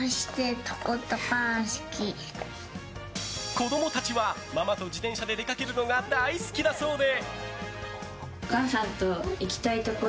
子供たちはママと自転車で出かけるのが大好きだそうで。